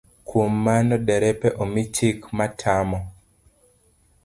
Kuom mano derepe omi chik matamo